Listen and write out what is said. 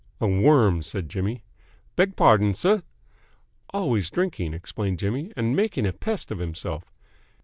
"A worm," said Jimmy. "Beg pardon, sir?" "Always drinking," explained Jimmy, "and making a pest of himself."